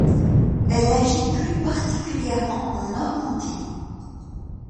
Elle agit plus particulièrement en Normandie.